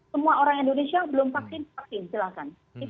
semua orang indonesia belum vaksin vaksin silahkan